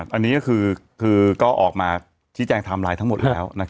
อันนี้ก็คือก็ออกมาชี้แจงไทม์ไลน์ทั้งหมดแล้ว